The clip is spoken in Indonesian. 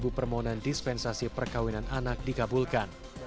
sudah tiga permohonan dispensasi perkawinan anak dikabulkan